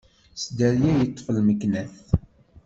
S dderya yeṭṭef lmeknat.